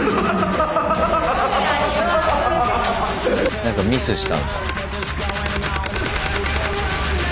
何かミスしたんだ。